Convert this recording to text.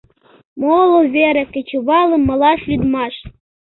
Моло вере кечывалым малаш лӱдмаш.